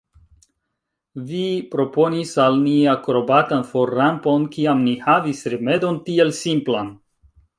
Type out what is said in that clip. Vi proponis al ni akrobatan forrampon, kiam ni havis rimedon tiel simplan!